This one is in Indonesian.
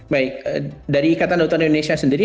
baik dari ikatan daunan indonesia sendiri